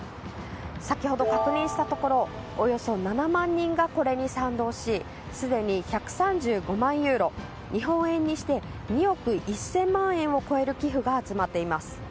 先ほど確認したところおよそ７万人が、これに賛同しすでに１３５万ユーロ日本円にして２億１０００万円を超える寄付が集まっています。